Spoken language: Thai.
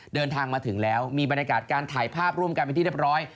เดินทางมาถึงแล้วมีบรรยากาศการถ่ายภาพร่วมกันเป็นที่เรียบร้อย